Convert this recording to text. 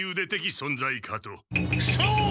そう！